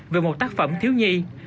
về một tác phẩm thiếu nhi